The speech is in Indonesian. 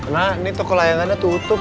nah ini toko layangannya tutup